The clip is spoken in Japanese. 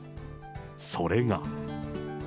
それが。